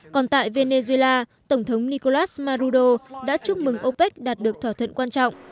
còn tại venezuela tổng thống nicolás marrudo đã chúc mừng opec đạt được thỏa thuận quan trọng